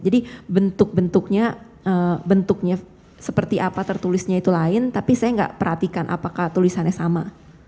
jadi bentuk bentuknya bentuknya seperti apa tertulisnya itu lain tapi saya tidak perhatikan apakah tulisannya sama